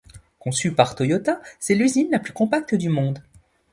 Conçue par Toyota, c'est l'usine la plus compacte du monde.